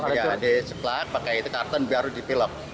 dia diplak pakai karton baru dipilok